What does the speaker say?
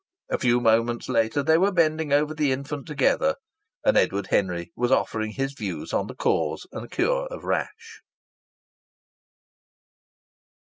A few moments later they were bending over the infant together, and Edward Henry was offering his views on the cause and cure of rash.